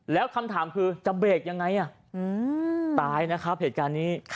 แล้วคำถามคือจะเบรกยังไงตายนะครับเหตุการณ์นี้